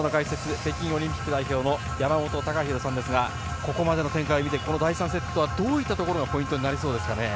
北京オリンピック代表の山本隆弘さんですがここまでの展開を見て第３セットはどういったところがポイントになりそうですかね。